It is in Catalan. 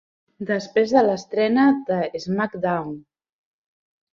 Després de l'estrena de SmackDown!